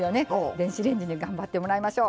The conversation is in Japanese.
電子レンジに頑張ってもらいましょう。